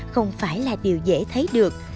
không phải là điều dễ thấy được